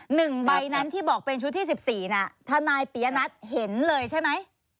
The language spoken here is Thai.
หนึ่งใบนั้นที่บอกเป็นชุดที่๑๔ถ้านายเปียรัตนัสเห็นเลยใช่ไหม